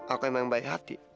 aku yang baik hati